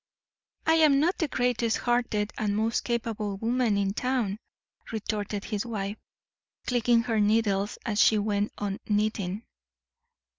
"I am not the greatest hearted and most capable woman in town," retorted his wife, clicking her needles as she went on knitting.